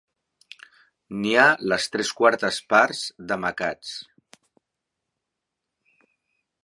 N'hi ha les tres quartes parts de macats.